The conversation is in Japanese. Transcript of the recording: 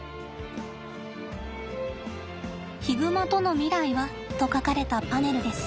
「ヒグマとの未来は？」と書かれたパネルです。